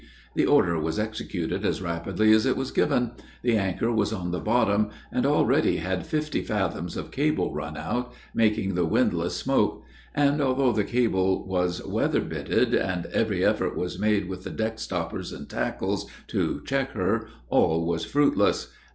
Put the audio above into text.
The order was executed as rapidly as it was given; the anchor was on the bottom, and already had fifty fathoms of cable run out, making the windlass smoke; and, although the cable was weather bitted, and every effort was made with the deck stoppers and tackles to check her, all was fruitless.